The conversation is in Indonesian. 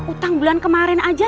utang bulan kemarin aja